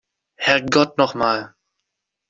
Herrgott noch mal!